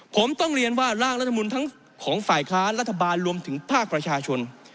ผมต้องเรียนว่าร่างรัฐมนุนทั้งของฝ่ายค้านรัฐบาลรวมถึงภาคประชาชน